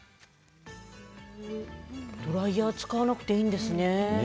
ドライヤー使わなくていいんですね。